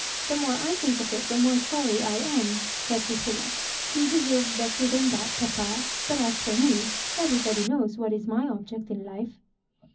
The more I think of it, the more sorry I am," sakl Lucilla; "he deserved better than that, papa; but as for me, everybody knows what is my object in life."